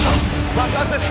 爆発です！